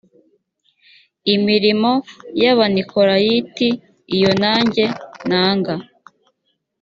imirimo y abanikolayiti iyo nanjye nanga